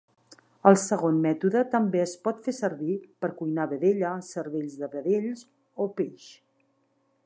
El segon mètode també es pot fer servir per cuinar vedella, cervells de vedells o peix.